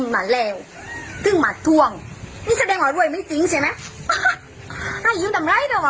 มาแล้วถึงมาท่วงนี่แสดงว่ารวยไม่จริงใช่ไหมอ่าให้ยิ้มต่ำไรเถอะ